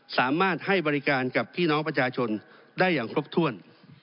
สามารถให้บริการกับพี่น้องประชาชนได้อย่างครบถ้วน